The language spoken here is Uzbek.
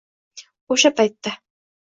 O'sha paytda